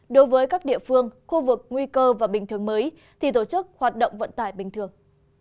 đối với các địa phương khu vực nguy cơ và bình thường mới thì tổ chức hoạt động vận tải bình thường